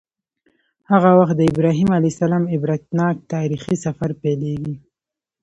هغه وخت د ابراهیم علیه السلام عبرتناک تاریخي سفر پیلیږي.